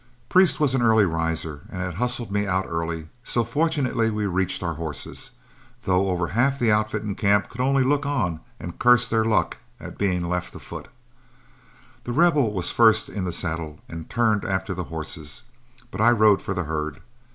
Priest was an early riser and had hustled me out early, so fortunately we reached our horses, though over half the outfit in camp could only look on and curse their luck at being left afoot. The Rebel was first in the saddle, and turned after the horses, but I rode for the herd.